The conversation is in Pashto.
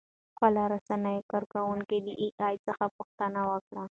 خواله رسنیو کاروونکو د اې ای څخه پوښتنه وکړه.